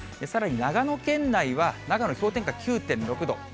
さらに長野県内は、長野、氷点下９．６度。